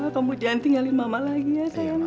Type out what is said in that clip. kamu jangan tinggalin mama lagi ya sayang ya